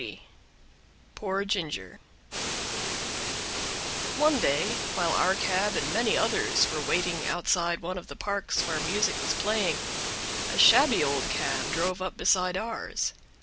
40 Poor Ginger One day, while our cab and many others were waiting outside one of the parks where music was playing, a shabby old cab drove up beside ours.